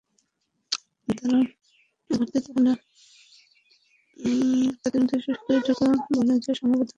তারা একত্রিত হলে তাদের উদ্দেশে শুধু এতটুকু বলে যে– সংঘবদ্ধ হয়ে আক্রমণ করবে।